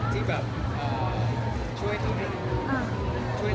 ที่ทำให้เราแจ้งเกิดอีกครั้งในวงการบรรเคง